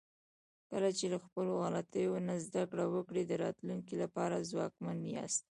کله چې له خپلو غلطیو نه زده کړه وکړئ، د راتلونکي لپاره ځواکمن یاست.